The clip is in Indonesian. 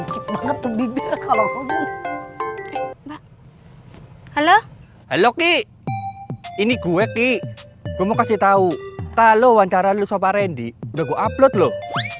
halo halo ki ini gue ki mau kasih tahu kalau wawancara lu sopa rendy gue upload loh